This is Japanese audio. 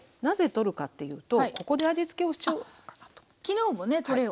なぜ取るかっていうとここで味付けをしちゃおうかなと。